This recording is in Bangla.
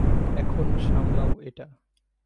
এখন সামলাও এটা।